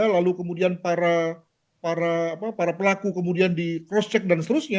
lalu kemudian para pelaku kemudian di cross check dan seterusnya